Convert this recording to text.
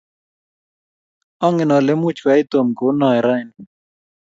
angen ale much koyai Tom kou noe raini.